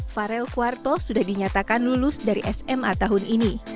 farel kuarto sudah dinyatakan lulus dari sma tahun ini